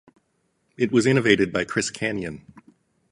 It was innovated by Chris Kanyon.